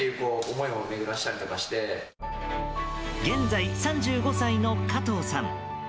現在、３５歳の加藤さん。